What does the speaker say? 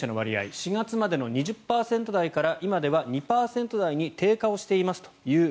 ４月までの２０％台から今では２％台に低下していますと。